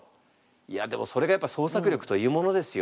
いやでもそれがやっぱ創作力というものですよ。